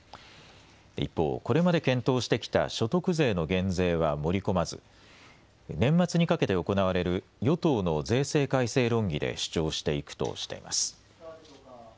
一方、これまで検討してきた所得税の減税は盛り込まず年末にかけて行われる与党の税制改正論議で主張していくとしています。